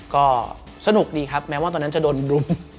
ก็สนุกดีครับแม้ว่าตอนนั้นจะโดนบรุม